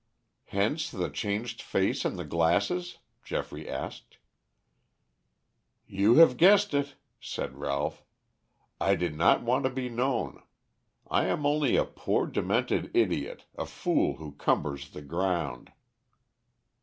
"Hence the changed face and the glasses?" Geoffrey asked. "You have guessed it," said Ralph. "I did not want to be known. I am only a poor demented idiot, a fool who cumbers the ground."